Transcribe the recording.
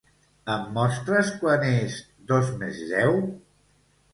Em mostres quant és dos més deu?